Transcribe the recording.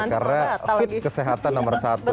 karena fit kesehatan nomor satu